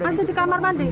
masih di kamar mandi